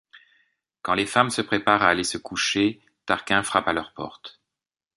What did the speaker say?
Quand les femmes se préparent à aller se coucher, Tarquin frappe à leur porte.